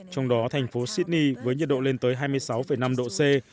trong đó thành phố sydney với nhiệt độ lên tới hai mươi sáu năm độ c